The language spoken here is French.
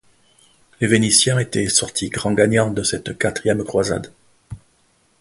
Les Vénitiens étaient sortis grands gagnants de cette quatrième croisade.